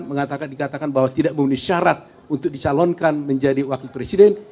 mengatakan bahwa tidak memenuhi syarat untuk disalonkan menjadi wakil perusahaan